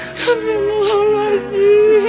sampai malam lagi